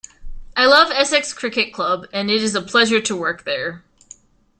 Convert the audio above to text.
I love Essex Cricket Club and it is a pleasure to work there.